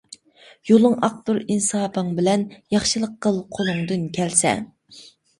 يۇلۇڭ ئاقتۇر ئىنسابىڭ بىلەن، ياخشىلىق قىل قۇلۇڭدىن كەلسە.